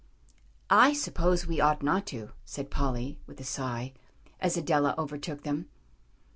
"I suppose we ought not to," said Polly, with a sigh, as Adela overtook them.